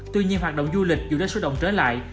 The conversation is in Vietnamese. tuy nhiên hoạt động du lịch dự đo số động trở lại